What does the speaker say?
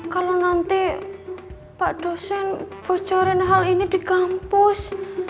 kalau nanti pak dosen bocorin hal ini di kampus